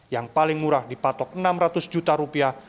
yang paling murah dipatok enam ratus juta rupiah